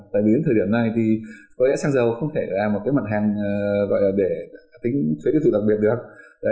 và đến thời điểm này thì có lẽ xăng dầu không thể là một cái mặt hàng gọi là để tính thuế tiêu thụ đặc biệt được